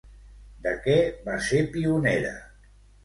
De què va ser pionera?